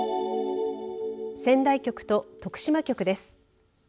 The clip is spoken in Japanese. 仙台局と徳島局です。